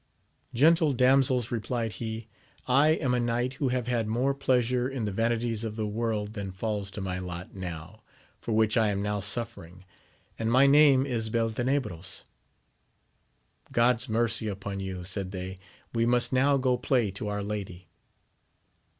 Gentle damsels, replied he, I am a knight who have had more pleasure in the vanities of the world than falls to my lot i 302 AMADIS OF GAUL. for which I am now suffering, and my name is Belte nebro3. God's mercy upon you ! said they : we must now go play to our lady.